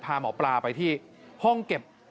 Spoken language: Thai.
พาหมอปลาไปที่ห้องเก็บ